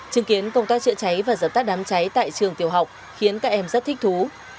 chứng kiến công tác chữa cháy và dập tắt đám cháy tại trường tiểu học khiến các em rất thích thú